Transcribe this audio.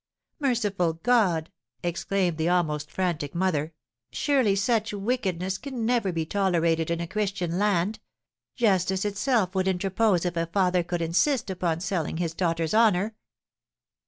"Merciful God!" exclaimed the almost frantic mother, "surely such wickedness can never be tolerated in a Christian land! Justice itself would interpose if a father could insist upon selling his daughter's honour."